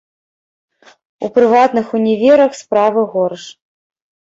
У прыватных універах справы горш.